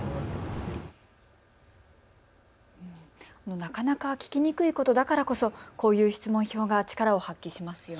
なかなか聞きにくいことだからこそこういう質問票が力を発揮しね。